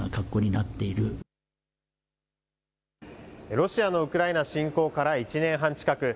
ロシアのウクライナ侵攻から１年半近く。